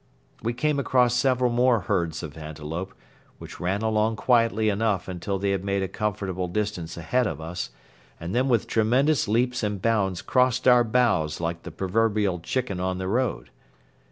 We came across several more herds of antelope, which ran along quietly enough until they had made a comfortable distance ahead of us and then with tremendous leaps and bounds crossed our bows like the proverbial chicken on the road.